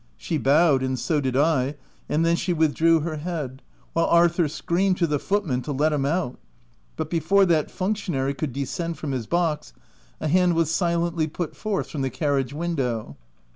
She bowed and so did I, and then she withdrew her head, while Arthur screamed to the footman to let him out; but before that functionary could descend from his box, a hand was silently put forth from the carriage window.